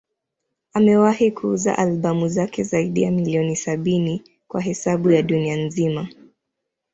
Amewahi kuuza albamu zake zaidi ya milioni sabini kwa hesabu ya dunia nzima.